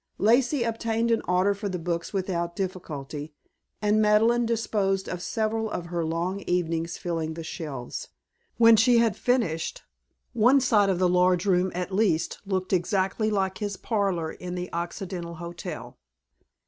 Lacey obtained an order for the books without difficulty, and Madeleine disposed of several of her long evenings filling the shelves. When she had finished, one side of the large room at least looked exactly like his parlor in the Occidental Hotel.